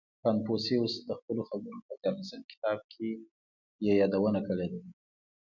• کنفوسیوس د خپلو خبرو په دیارلسم کتاب کې یې یادونه کړې ده.